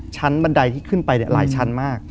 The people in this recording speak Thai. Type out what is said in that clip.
บันไดที่ขึ้นไปหลายชั้นมาก